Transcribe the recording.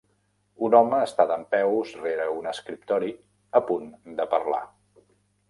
Un home està dempeus rere un escriptori a punt de parlar.